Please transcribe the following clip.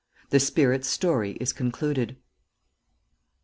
THE SPIRIT'S STORY IS CONCLUDED.